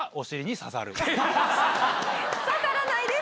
刺さらないです。